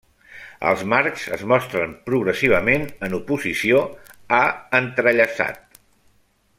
Els marcs es mostren progressivament en oposició a entrellaçat.